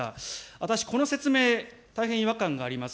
私、この説明、大変違和感があります。